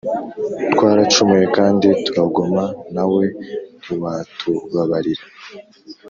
“Twaracumuye kandi turagoma, Nawe ntiwatubabarira.